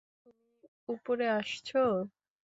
তুমি উপরে আসছ?